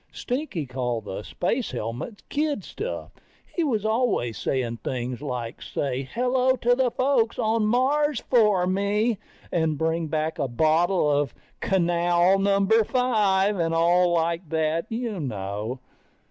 Stinky called the space helmets kid stuff. He was always saying things like say hello to the folks on Mars for me, and bring back a bottle of canal number five, and all like that, you know.